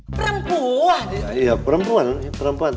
perempuan iya perempuan ini perempuan tadi